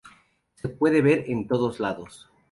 Se puede ver en todos lados.